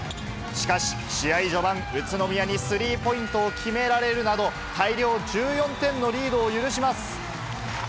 しかし、試合序盤、宇都宮にスリーポイントを決められるなど、大量１４点のリードを許します。